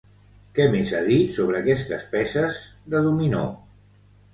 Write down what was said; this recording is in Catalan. Què més ha dit sobre aquestes peces de dominó?